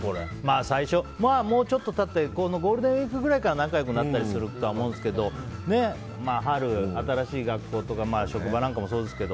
最初から、もうちょっと経ってこのゴールデンウィークくらいで仲良くなったりするとは思うんですけど春、新しい学校とか職場なんかもそうですが。